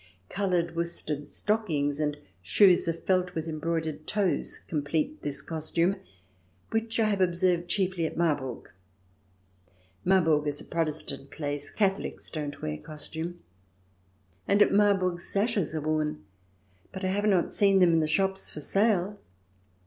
Coloured worsted stockings and shoes of felt with embroidered toes complete this costume, which I have observed chiefly at Marburg. Marburg is a Protestant place ; Catholics don't wear costume. And at Marburg sashes are worn, but I have not seen them in the shops for sale.